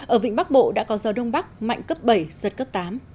ở vịnh bắc bộ đã có gió đông bắc mạnh cấp bảy giật cấp tám